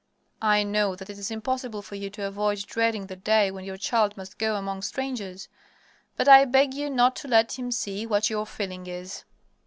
I know that it is impossible for you to avoid dreading the day when your child must go among strangers, but I beg you not to let him see what your feeling is.